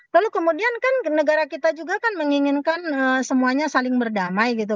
lalu kemudian kan negara kita juga kan menginginkan semuanya saling berdamai gitu